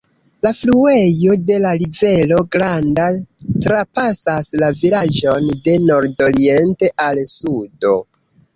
La fluejo de la Rivero Granda trapasas la vilaĝon de nordoriente al sudo.